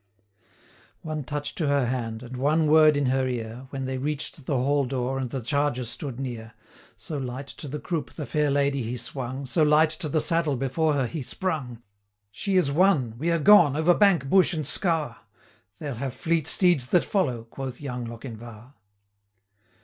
One touch to her hand, and one word in her ear, When they reach'd the hall door, and the charger stood near; 350 So light to the croupe the fair lady he swung, So light to the saddle before her he sprung! 'She is won! we are gone, over bank, bush, and scaur; They'll have fleet steeds that follow,' quoth young Lochinvar.